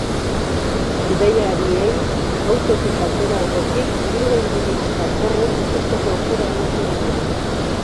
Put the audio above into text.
Bidaiariei, autotik atera aurretik, ibilgailurik badatorren ikusteko aukera ematen die.